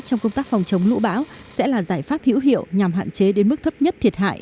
trong công tác phòng chống lũ bão sẽ là giải pháp hữu hiệu nhằm hạn chế đến mức thấp nhất thiệt hại